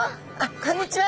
こんにちは。